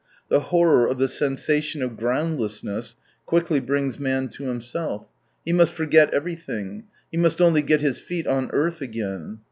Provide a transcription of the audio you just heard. The horror of the sensation of groundless ness quickly brings man to himself. He must forget everything, he must only get his feet on earth again.